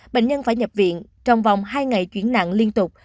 bệnh nhân phải nhập viện trong vòng hai ngày chuyển nặng liên tục